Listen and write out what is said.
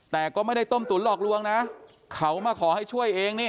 แต่ก็ไม่ได้ต้มตุ๋นหลอกลวงนะเขามาขอให้ช่วยเองนี่